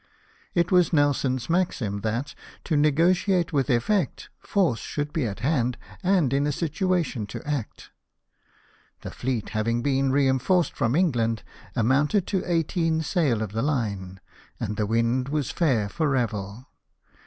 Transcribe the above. It was Nelson's maxim that, to negotiate with effect, force should be at hand, and in a situation to act. The fleet, having been reinforced from England, amounted to eighteen sail of the line ; and the wind was fair for Revel.